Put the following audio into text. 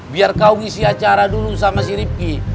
biar kau ngisi acara dulu sama si ripki